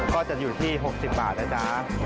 ก็จะอยู่ที่๖๐บาทนะจ๊ะ